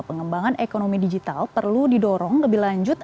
pengembangan ekonomi digital perlu didorong lebih lanjut